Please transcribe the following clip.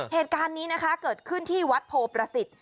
เหตุการณ์นี้นะคะเกิดขึ้นที่วัดโพประสิทธิ์